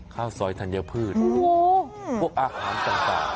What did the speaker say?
ข้าวซอยธัญพืชพวกอาหารต่าง